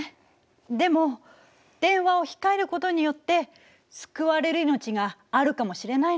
でも電話を控えることによって救われる命があるかもしれないのよ。